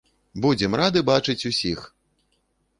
Будзем рады бачыць усіх.